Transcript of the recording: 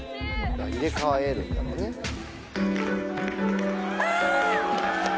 だから入れ替えるんだろうねああ！